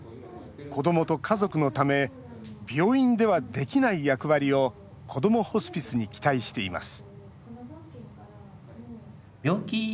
子どもと家族のため病院ではできない役割をこどもホスピスに期待しています